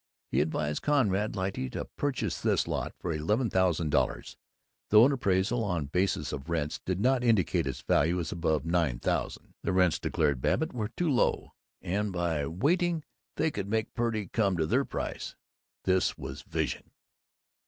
He advised Conrad Lyte to purchase this lot, for eleven thousand dollars, though an appraisal on a basis of rents did not indicate its value as above nine thousand. The rents, declared Babbitt, were too low; and by waiting they could make Purdy come to their price. (This was Vision.)